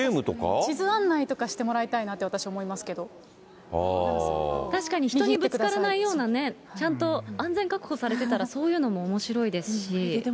地図案内とかしてもらいたい確かに、人にぶつからないようなね、ちゃんと安全確保されてたら、そういうのもおもしろいですし。